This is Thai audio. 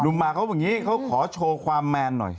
ลุมมาเขาแบบนี้เขาขอโชว์ความแมนหน่อย